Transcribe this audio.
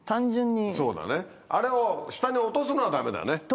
そうだねあれを下に落とすのはダメだね。